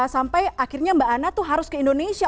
sampai akhirnya mbak anna tuh harus ke indonesia